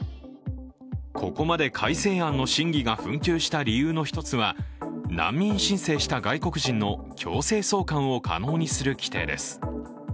ここまで改正案の審議が紛糾した理由の１つは難民申請した外国人の強制送還を可能にする規定です。